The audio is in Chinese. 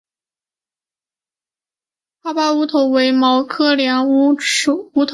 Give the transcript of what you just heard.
哈巴乌头为毛茛科乌头属下的一个种。